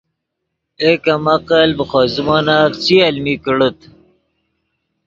اے کم عقل ڤے خوئے زیمونف چی المی کڑیت